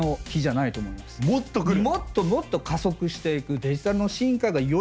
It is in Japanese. もっともっと加速していく。